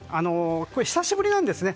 久しぶりなんですね。